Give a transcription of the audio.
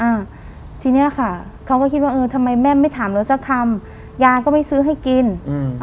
อ่าทีเนี้ยค่ะเขาก็คิดว่าเออทำไมแม่ไม่ถามเราสักคำยายก็ไม่ซื้อให้กินอืม